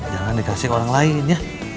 jangan dikasih orang lain ya